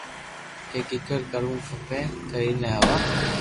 ڪي ڪيڪر ڪروُ کپر”ي ني تو ھيوا